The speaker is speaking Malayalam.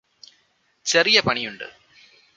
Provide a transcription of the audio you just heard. ചെറിയ പണിയുണ്ട്